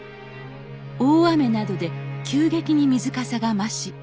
大雨などで急激に水かさが増し